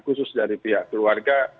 khusus dari pihak keluarga